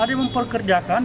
ada yang mempekerjakan